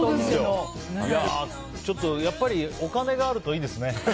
やっぱりお金があるといいですね。